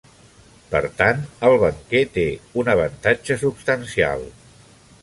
Per tant, el banquer té un avantatge substancial.